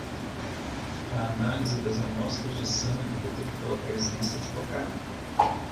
A análise das amostras de sangue detectou a presença de cocaína